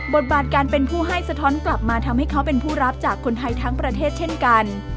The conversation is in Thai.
บทบาทการเป็นผู้ให้สะท้อนกลับมาทำให้เขาเป็นผู้รับจากคนไทยทั้งประเทศเช่นกัน